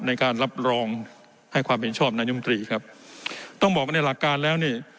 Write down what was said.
ในการรับรองให้ความเห็นชอบนายุมตรีครับต้องบอกว่าในหลักการแล้วนี่